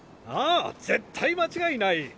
ああ絶対間違いない。